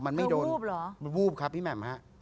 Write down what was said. มันไม่โดนมันวูบครับพี่แหม่มฮะมันไม่โดน